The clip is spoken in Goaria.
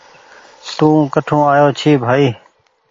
توڪٺون آيو ڇي بهائي